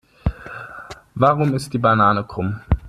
Warum ist die Banane krumm?